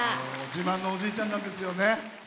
自慢のおじいちゃんなんですよね。